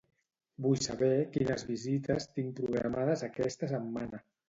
Vull saber quines visites tinc programades aquesta setmana.